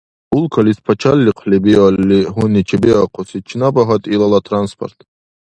Улкалис пачалихъли биалли гьуни чебиахъуси, чинаба гьатӀи илала транспорт?